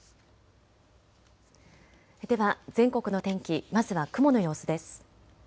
では全国の天気、まずは雲の様子です。